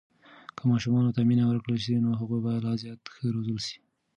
که ماشومانو ته مینه ورکړل سي، نو هغوی به لا زیات ښه روزل سي.